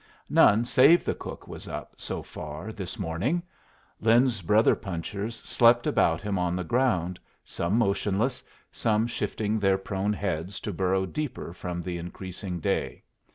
None save the cook was up, so far, this morning. Lin's brother punchers slept about him on the ground, some motionless, some shifting their prone heads to burrow deeper from the increasing day.